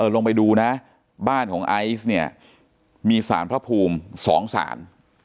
ลงไปดูนะบ้านของไอซ์เนี่ยมีสารพระภูมิ๒ศาล